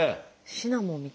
シナモンみたいな。